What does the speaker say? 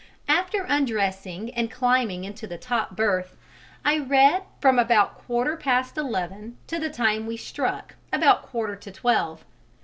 After undressing and climbing into the top berth, I read from about quarter past eleven to the time we struck, about quarter to twelve.